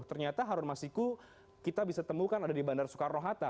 ternyata harun masiku kita bisa temukan ada di bandara soekarno hatta